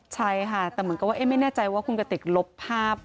ใช่ค่ะแต่เหมือนกับว่าไม่แน่ใจว่าคุณกติกลบภาพ